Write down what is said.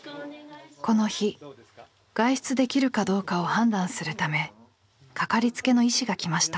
この日外出できるかどうかを判断するためかかりつけの医師が来ました。